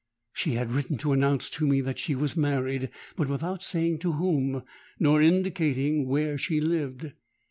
She had written to announce to me that she was married, but without saying to whom, nor indicating where she lived.